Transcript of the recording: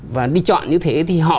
và đi chọn như thế thì họ